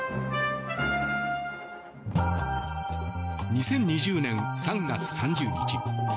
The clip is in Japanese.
２０２０年３月３０日。